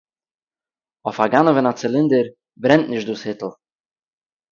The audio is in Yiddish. אויף אַ גנבֿ אין אַ צילינדער ברענט ניט דאָס היטל.